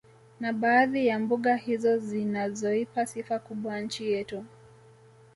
Na baadhi ya mbuga hizo zinazoipa sifa kubwa nchi yetu